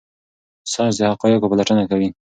ساینس د حقایقو پلټنه کوي.